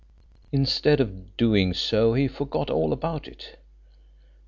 Instead of doing so he forgot all about it.